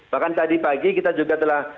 bahkan tadi pagi kita juga telah